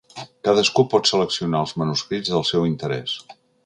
Cadascú pot seleccionar els manuscrits del seu interès.